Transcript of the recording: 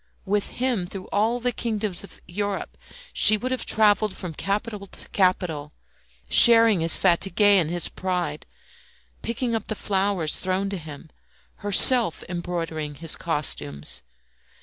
With him, through all the kingdoms of Europe she would have travelled from capital to capital, sharing his fatigues and his pride, picking up the flowers thrown to him, herself embroidering his costumes.